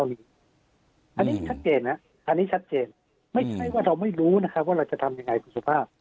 อันนี้ชัดเจนนะอันนี้ชัดเจนไม่ใช่ว่าเราไม่รู้นะครับว่าเราจะทำยังไงคุณสุภาพ